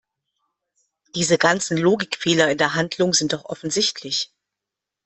Diese ganzen Logikfehler in der Handlung sind doch offensichtlich!